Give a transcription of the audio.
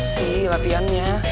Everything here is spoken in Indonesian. liat gue cabut ya